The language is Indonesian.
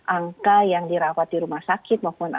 angka yang dirawat di rumah sakit maupun di rumah sakit